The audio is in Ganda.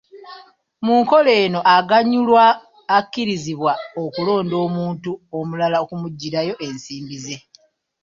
Mu nkola eno aganyulwa akkirizibwa okulonda omuntu omulala okumuggyirayo ensimbi ze.